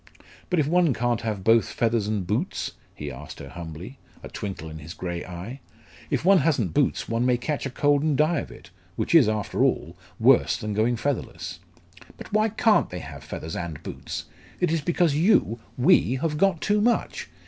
"But if one can't have both feathers and boots?" he asked her humbly, a twinkle in his grey eye. "If one hasn't boots, one may catch a cold and die of it which is, after all, worse than going featherless." "But why can't they have feathers and boots? It is because you we have got too much.